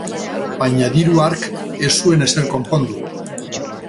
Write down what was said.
Baina diru hark ez zuen ezer konpondu.